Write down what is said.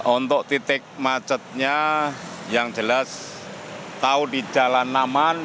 untuk titik macetnya yang jelas tahu di jalan aman